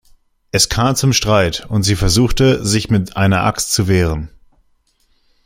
Es kam zum Streit, und sie versuchte, sich mit einer Axt zu wehren.